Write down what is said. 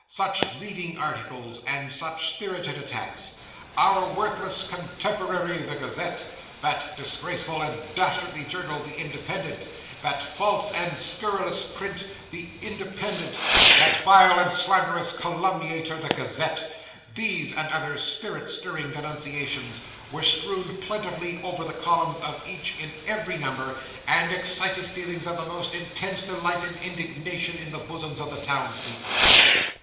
Such leading articles, and such spirited attacks! 'Our worthless contemporary, the Gazette' 'That disgraceful and dastardly journal, the Independent' 'That false and scurrilous print, the Independent' 'That vile and slanderous calumniator, the Gazette;' these, and other spirit stirring denunciations, were strewn plentifully over the columns of each, in every number, and excited feelings of the most intense delight and indignation in the bosoms of the townspeople.